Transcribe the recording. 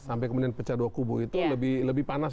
sampai kemudian pecah dua kubu itu lebih panas